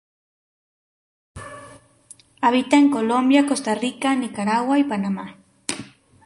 Habita en Colombia, Costa Rica, Nicaragua y Panamá.